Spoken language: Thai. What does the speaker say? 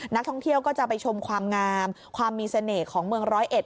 นักท่องเที่ยวก็จะไปชมความงามความมีเสน่ห์ของเมืองร้อยเอ็ด